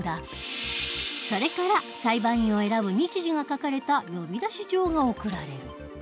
それから裁判員を選ぶ日時が書かれた呼出状が送られる。